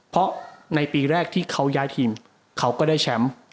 เพราะในปีแรกที่เขาย้ายทีมเขาก็ได้แชมป์